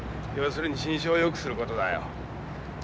要するに心証を良くする事だよ。